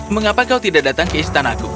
mengapa kau tidak datang ke istanaku